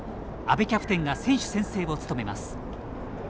阿部キャプテンが選手宣誓を務めます。